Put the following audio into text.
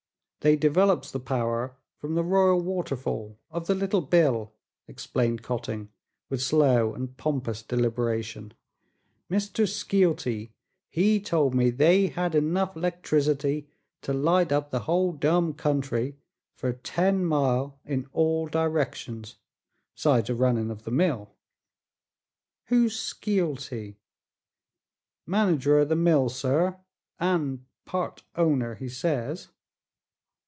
"They develops the power from the Royal Waterfall of the Little Bill," explained Cotting, with slow and pompous deliberation. "Mr. Skeelty he tol' me they had enough 'lectric'ty to light up the whole dum country fer ten mile in all directions, 'sides a runnin' of the mill." "Who's Skeelty?" "Manager o' the mill, sir, an' part owner, he says."